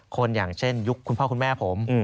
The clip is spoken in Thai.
อย่างเช่นยุคคุณพ่อคุณแม่ผม